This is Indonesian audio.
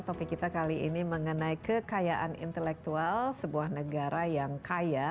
topik kita kali ini mengenai kekayaan intelektual sebuah negara yang kaya